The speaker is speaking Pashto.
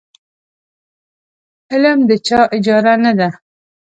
علم د چا اجاره نه ده.